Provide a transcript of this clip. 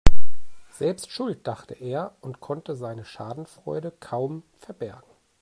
Selbst schuld, dachte er und konnte seine Schadenfreude kaum verbergen.